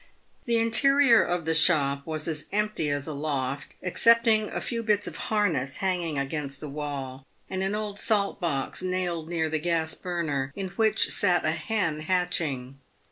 The interior of the shop was as empty as a loft, excepting a few bits of harness hanging against the wall, and an old salt box nailed near the gas burner, in which sat a hen hatching.